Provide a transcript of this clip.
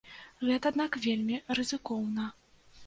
Гэта, аднак, вельмі рызыкоўна.